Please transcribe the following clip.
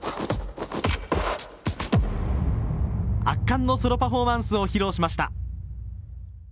圧巻のソロパフォーマンスを披露しました。